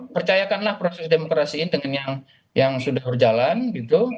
percayakanlah proses demokrasi yang sudah berjalan gitu